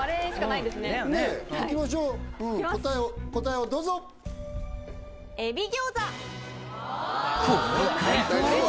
いきましょう答えをどうぞこの快答は？